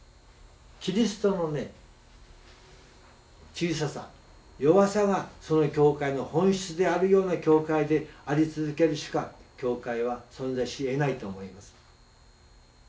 キリストのね小ささ弱さがその教会の本質であるような教会であり続けるしか教会は存在しえないと思います。